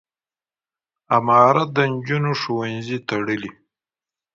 امارت د نجونو ښوونځي تړلي.